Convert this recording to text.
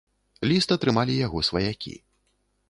Ліст атрымалі яго сваякі.